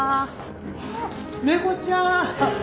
あっ猫ちゃん！